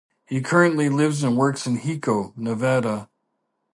He currently lives and works in Hiko, Nevada.